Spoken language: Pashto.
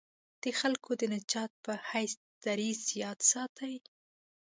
د خلکو د نجات په حیث دریځ یاد ساتي.